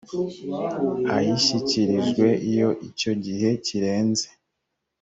ayishyikirijwe iyo icyo gihe kirenze